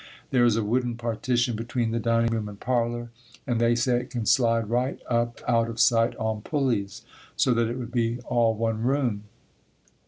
There is a wooden partition between the dining room and parlor and they say it can slide right up out of sight on pulleys, so that it would be all one room.